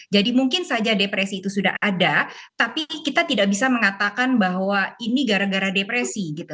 jadi mungkin saja depresi itu sudah ada tapi kita tidak bisa mengatakan bahwa ini gara gara depresi gitu